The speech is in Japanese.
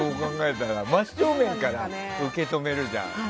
真正面から受け止めるじゃん。